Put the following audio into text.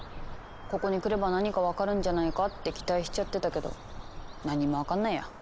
ここに来れば何か分かるんじゃないかって期待しちゃってたけど何も分かんないや！